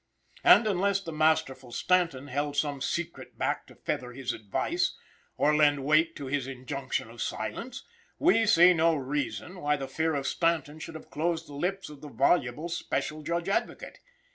And, unless the masterful Stanton held some secret back to feather his "advice," or lend weight to his injunction of silence, we see no reason why the fear of Stanton should have closed the lips of the voluble Special Judge Advocate.